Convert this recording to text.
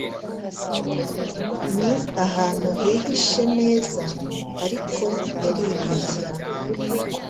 ni ahantu hihishe neza Ariko yaribeshye